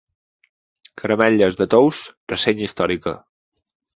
Caramelles de Tous, ressenya històrica.